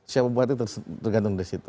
siapa buahnya tergantung di situ